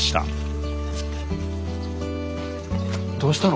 どうしたの？